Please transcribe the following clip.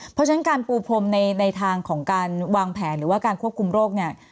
เพราะฉะนั้นการปูพรมในทางของการวางแผนหรือว่าการควบคุมโรคเนี่ย